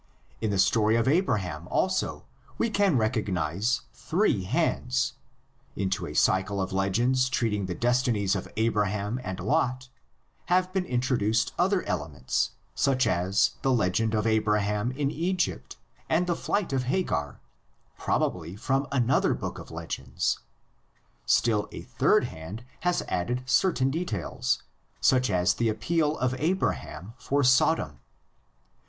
In the story of Abra ham also we can recognise three hands; into a cycle of legends treating the destinies of Abraham and Lot have been introduced other elements, such as the legend of Abraham in Egypt and the flight of Hagar, probably from another book of legends; still a third hand has added certain details, such as the appeal of Abraham for Sodom.